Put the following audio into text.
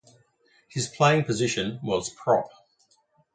His playing position was prop.